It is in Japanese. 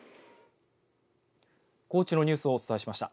高知のニュースをお伝えしました。